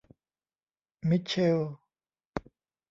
มิทเชล